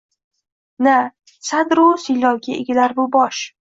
na sadr-u siylovga egilar bu bosh.